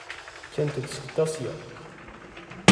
Kkant-d seg Tasya.